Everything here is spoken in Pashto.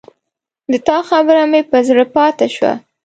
د تا خبره مې پر زړه پاته شوه